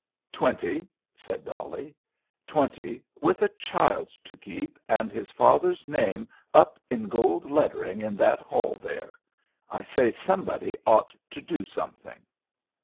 "Twenty," said Dolly. "Twenty, with a child to keep, and his father's name up in gold lettering in that hall there. I say somebody ought to do something."